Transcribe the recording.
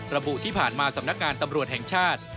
ระบุที่ผ่านมาสำนักงานตำรวจแห่งชาติ